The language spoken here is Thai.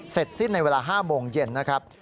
เสร็จสิ้นในเวลา๕โมงเย็นนะครับ